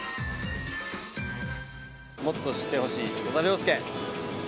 もっと知ってほしい曽田陵介。